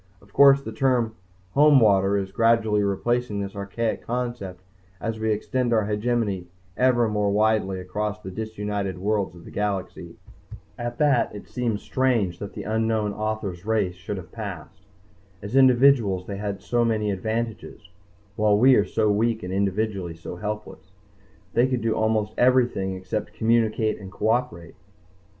Of course, the term "Homewater" is gradually replacing this archaic concept as we extend our hegemony ever more widely across the disunited worlds of the galaxy._ _At that it seems strange that the unknown author's race should have passed. As individuals they had so many advantages, while we are so weak and individually so helpless. They could do almost everything except communicate and cooperate.